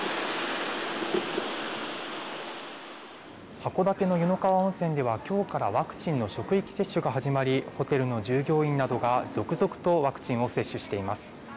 函館の温泉では今日からワクチンの職域接種が始まり、ホテルの従業員などが続々とワクチンを接種しています。